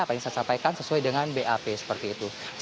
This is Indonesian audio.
apa yang saya sampaikan sesuai dengan bap seperti itu